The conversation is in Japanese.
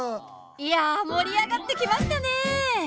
いや盛り上がってきましたね！